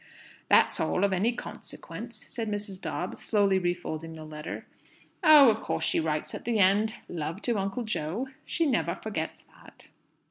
"That's all of any consequence," said Mrs. Dobbs, slowly refolding the letter. "Oh, of course she writes at the end 'Love to Uncle Jo.' She never forgets that."